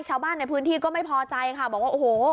ชาวบ้านในพื้นที่ก็ไม่พอใจค่ะบอกว่าโอ้โห